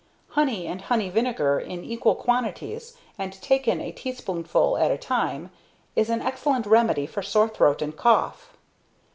Honey and honey vinegar in equal quantities, and taken a teaspoonful at a time, is an excellent remedy for sore throat and cough.